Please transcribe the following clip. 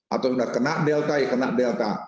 atau sudah kena delta ya kena delta